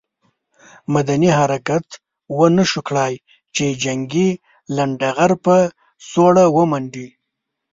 مدني حرکت ونه شو کړای چې جنګي لنډه غر په سوړه ومنډي.